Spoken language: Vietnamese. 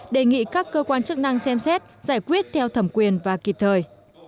đề nghị các cơ quan chức năng xem xét giải quyết theo thẩm quyền và kịp thời